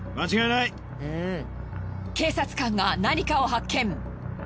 警察官が何かを発見！